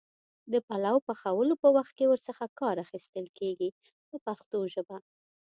د پلو پخولو په وخت کې ور څخه کار اخیستل کېږي په پښتو ژبه.